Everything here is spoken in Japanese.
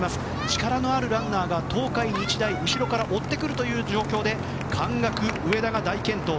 力のあるランナーが東海、日大後ろから追ってくるという状況で関学の上田が大健闘。